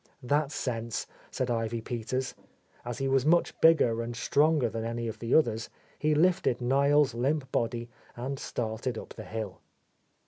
"That's sense," said Ivy Peters. As he was much bigger and stronger than any of the others, he lifted Niel's limp body and started up the hill.